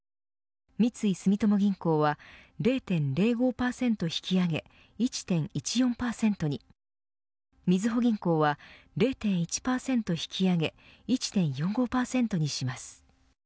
三井住友銀行は０．０５％引き上げ１．１４％にみずほ銀行は０．１％引き上げ１．４５％にします。